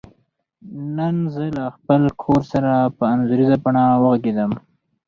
نن زه له خپل کور سره په انځوریزه بڼه وغږیدم.